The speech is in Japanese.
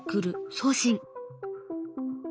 送信。